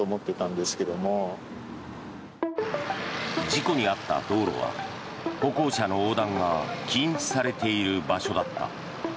事故に遭った道路は歩行者の横断が禁止されている場所だった。